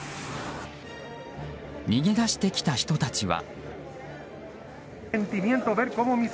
逃げ出してきた人たちは。